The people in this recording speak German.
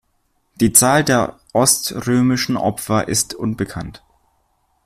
Die Zahl der oströmischen Opfer ist unbekannt.